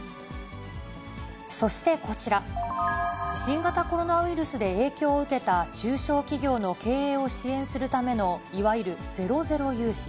そしてこちら、新型コロナウイルスで影響を受けた中小企業の経営を支援するためのいわゆるゼロゼロ融資。